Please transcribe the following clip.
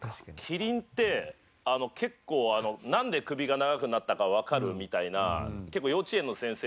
キリンって結構「なんで首が長くなったかわかる？」みたいな。